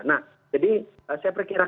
nah jadi saya perkirakan